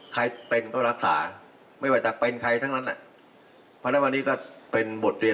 เข้าใจไหมเออ